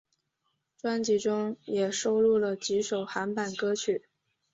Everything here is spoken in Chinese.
专辑中也收录了几首韩版歌曲。